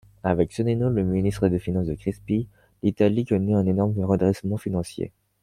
Avec Sonnino, le Ministre des finances de Crispi, l’Italie connut un énorme redressement financier.